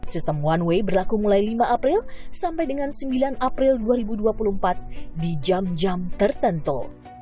sistem one way berlaku mulai lima april sampai dengan sembilan april dua ribu dua puluh empat di jam jam tertentu